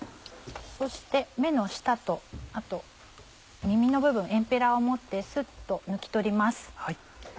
そして目の下とあと耳の部分エンペラを持ってスッと抜き取ります。